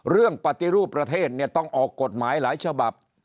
ปฏิรูปประเทศเนี่ยต้องออกกฎหมายหลายฉบับ